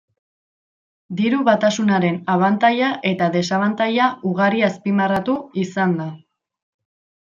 Diru-batasunaren abantaila eta desabantaila ugari azpimarratu izan da.